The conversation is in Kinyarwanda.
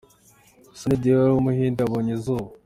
Sunny Deol, umukinnyi wa filime w’umuhinde yabonye izuba.